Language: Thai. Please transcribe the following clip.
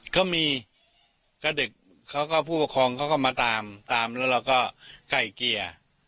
ก็มีก็เด็กเขาก็ผู้ปกครองเขาก็มาตามตามแล้วเราก็ไก่เกลี่ย